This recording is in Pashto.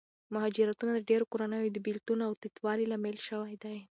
مهاجرتونه د ډېرو کورنیو د بېلتون او تیتوالي لامل شوي دي.